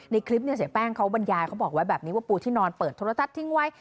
ในคลิปเนี่ยเสียแป้งเขาบรรยายเขาบอกไว้แบบนี้ว่าปูที่นอนเปิดโทรทัศน์ทิ้งไว้